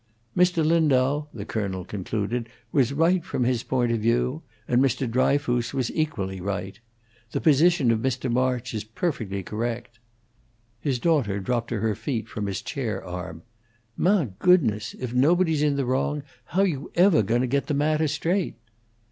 "Mr. Lindau," the colonel concluded, "was right from his point of view, and Mr. Dryfoos was equally right. The position of Mr. March is perfectly correct " His daughter dropped to her feet from his chair arm. "Mah goodness! If nobody's in the wrong, ho' awe you evah going to get the mattah straight?"